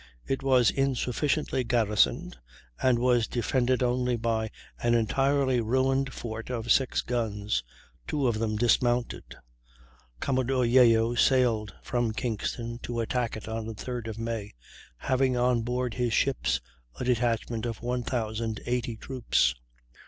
It was insufficiently garrisoned, and was defended only by an entirely ruined fort of 6 guns, two of them dismounted. Commodore Yeo sailed from Kingston to attack it on the 3d of May, having on board his ships a detachment of 1,080 troops.